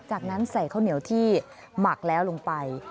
จากนั้นใส่ข้าวเหนียวที่หมักแล้วลงไป